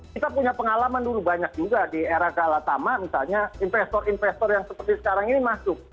kita punya pengalaman dulu banyak juga di era kalatama misalnya investor investor yang seperti sekarang ini masuk